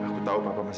aku tahu apa pusy